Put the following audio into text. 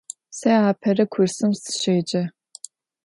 Se apere kursım sışêce.